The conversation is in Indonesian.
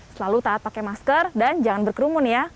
selalu taat pakai masker dan jangan berkerumun ya